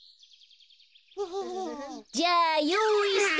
じゃあよういスタ。